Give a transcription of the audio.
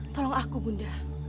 tolong aku bunda